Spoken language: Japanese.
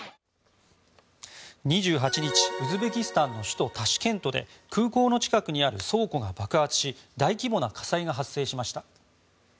２８日ウズベキスタンの首都タシケントで空港の近くにある倉庫が爆発し大規模な火災が発生しました。